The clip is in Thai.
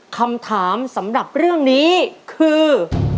คำถามสำหรับเรื่องนี้คือ